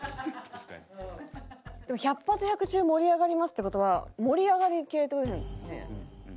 「百発百中盛り上がります」って事は盛り上がり系って事ですよね。